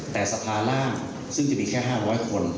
แต่สภาร่างซึ่งจะมีแค่๕๐๐คน